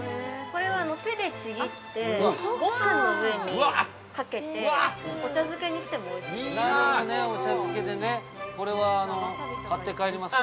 ◆これは手でちぎってごはんの上にかけてお茶漬けにしてもおいしいです。